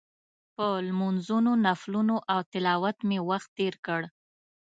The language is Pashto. په لمونځونو، نفلونو او تلاوت مې وخت تېر کړ.